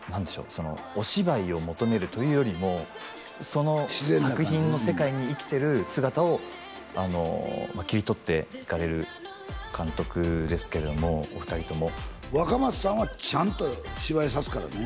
そのお芝居を求めるというよりもその作品の世界に生きてる姿を切り取っていかれる監督ですけれどもお二人とも若松さんはちゃんと芝居さすからね